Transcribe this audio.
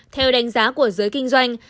theo đánh giá của giới kinh doanh